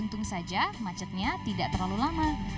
untung saja macetnya tidak terlalu lama